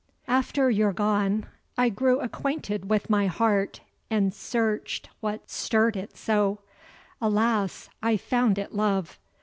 After you're gone, I grew acquainted with my heart, and search'd, What stirr'd it so. Alas! I found it love.